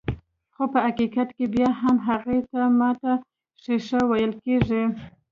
خو په حقيقت کې بيا هم هغې ته ماته ښيښه ويل کيږي.